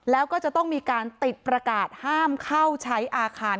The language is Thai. แล้วก็จะต้องมีการติดประกาศห้ามเข้าใช้อาคาร